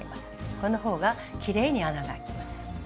この方がきれいに穴が開きます。